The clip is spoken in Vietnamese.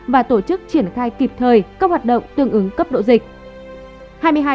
và tổ chức triển khai kịp thời các hoạt động tương ứng cấp độ dịch